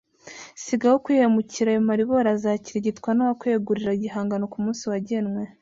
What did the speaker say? sigaho kwihemukira, ayo maribori azakirigitwa n’uzakwegurira igihango ku munsi wagenwe